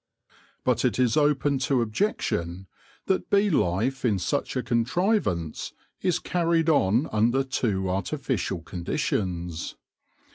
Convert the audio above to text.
But it is open to objection that bee life in such a contri vance is carried on under too artificial conditions.